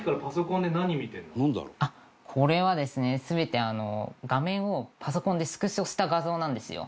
これはですね全てあの画面をパソコンでスクショした画像なんですよ。